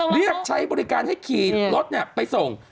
เรียกใช้บริการให้ขี่รถไปส่ง